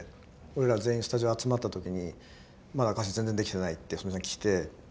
俺ら全員スタジオ集まった時にまだ歌詞全然できてないって細美さん来て。